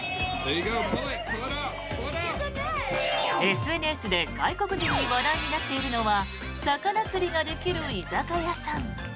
ＳＮＳで外国人に話題になっているのは魚釣りができる居酒屋さん。